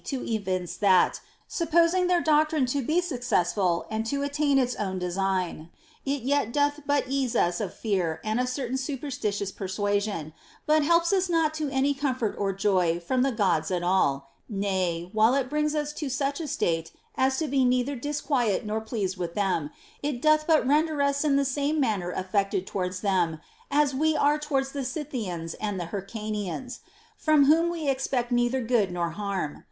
189 to evince that, supposing their doctrine to be successful and to attain its own design, it yet doth but ease us of fear and a certain superstitious persuasion, but helps us not to any comfort or joy from the Gods at all ; nay, while it brings us to such a state as to be neither disquieted nor pleased with them, it doth but render us in the same manner affected towards them as we are towards the Scythians or Hyrcanians, from whom we expect neither good nor harm.